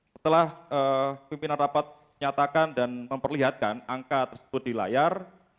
setelah pimpinan rapat nyatakan dan memperlihatkan angka tersebut di layar